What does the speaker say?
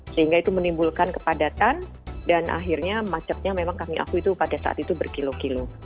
sehingga itu menimbulkan kepadatan dan akhirnya macetnya memang kami akui itu pada saat itu berkilo kilo